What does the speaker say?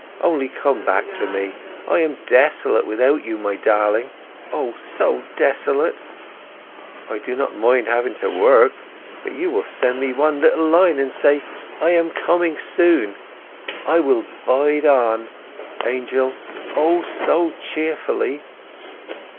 Only come back to me. I am desolate without you, my darling, O, so desolate! I do not mind having to work: but if you will send me one little line, and say, "I am coming soon", I will bide on, Angel—O, so cheerfully!